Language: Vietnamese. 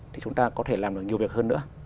thì chúng ta có thể làm được nhiều việc hơn nữa